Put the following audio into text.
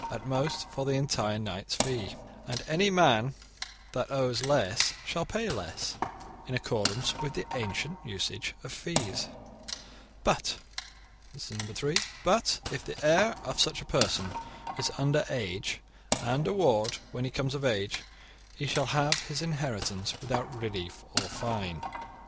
at most for the entire knight's 'fee', and any man that owes less shall pay less, in accordance with the ancient usage of 'fees' (3) But if the heir of such a person is under age and a ward, when he comes of age he shall have his inheritance without 'relief' or fine.